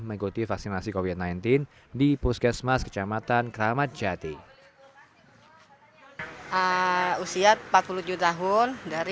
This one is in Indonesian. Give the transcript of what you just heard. mengikuti vaksinasi covid sembilan belas di puskesmas kecamatan kramat jati usia empat puluh tujuh tahun dari